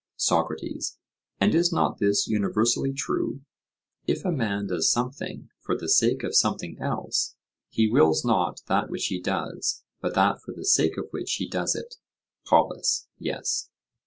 SOCRATES: And is not this universally true? If a man does something for the sake of something else, he wills not that which he does, but that for the sake of which he does it. POLUS: Yes.